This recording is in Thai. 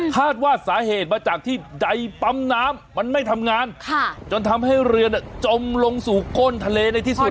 คาดว่าสาเหตุมาจากที่ใดปั๊มน้ำมันไม่ทำงานจนทำให้เรือจมลงสู่ก้นทะเลในที่สุด